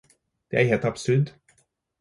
Det er helt absurd.